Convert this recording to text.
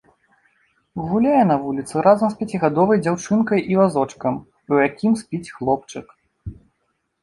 Гуляе на вуліцы разам з пяцігадовай дзяўчынкай і вазочкам, у якім спіць хлопчык.